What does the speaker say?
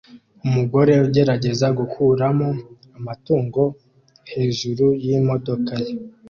Umugore ugerageza gukuramo amatungo hejuru yimodoka ye